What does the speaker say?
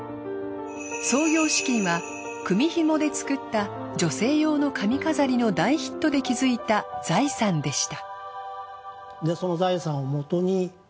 創業資金は組紐で作った女性用の髪飾りの大ヒットで築いた財産でした。